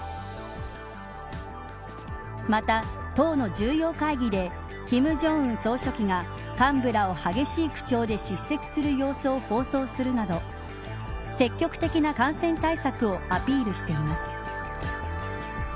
また、党の重要会議で金正恩総書記が幹部らを激しい口調で叱責する様子を放送するなど積極的な感染対策をアピールしています。